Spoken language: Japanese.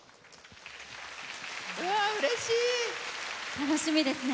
楽しみですね。